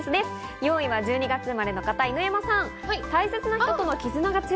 ４位は１２月生まれの方、犬山さん。